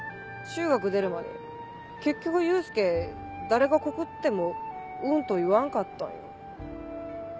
中学出るまで結局祐介誰が告っても「うん」と言わんかったんよ。